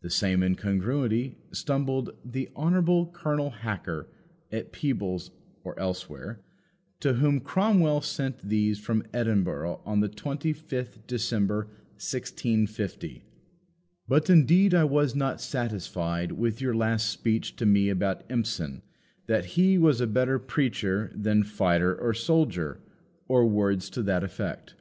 The same incongruity stumbled "the Honourable Colonel Hacker, at Peebles or elsewhere," to whom Cromwell sent these from Edinburgh on the 25th December 1650 "But indeed I was not satisfied with your last speech to me about Empson, that he was a better preacher than fighter or soldier or words to that effect.